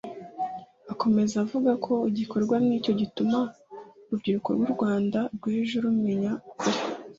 Akomeza avuga ko igikorwa nk’icyo gituma urubyiruko rw’ u Rwanda rw’ejo rumenya ukuri